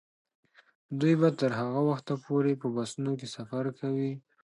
دوی به تر هغه وخته پورې په بسونو کې سفر کوي.